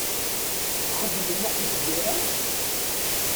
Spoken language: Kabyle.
Txeddmem akked Zira.